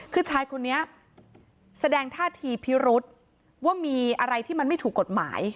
คือชายคนนี้แสดงท่าทีพิรุษว่ามีอะไรที่มันไม่ถูกกฎหมาย